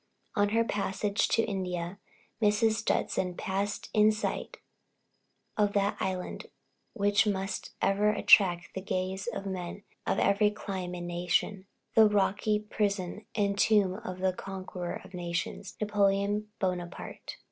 On her passage to India, Mrs. Judson passed in sight of that island which must ever attract the gaze of men of every clime and nation, the rocky prison and tomb of the conqueror of nations, Napoleon Bonaparte.